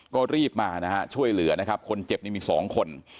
ก็รีบมานะฮะช่วยเหลือนะครับคนเจ็บนี่มีสองคน